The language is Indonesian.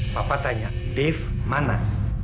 papa tanya dev mana